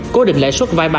cố định lãi suất vay